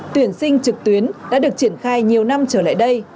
tuyển sinh trực tuyến đã được triển khai nhiều năm trở lại đây